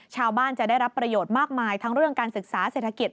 ชาวบ้านจะได้รับประโยชน์มากมายทั้งเรื่องการศึกษาเศรษฐกิจ